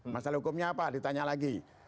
masalah hukumnya apa ditanya lagi